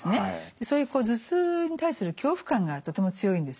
そういう頭痛に対する恐怖感がとても強いんですよ。